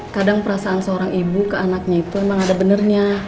kadang perasaan seorang ibu ke anaknya itu memang ada benarnya